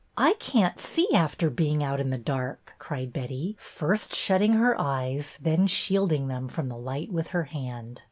I can't see after being out in the dark," cried Betty, first shutting her eyes, then shielding them from the light with her hand.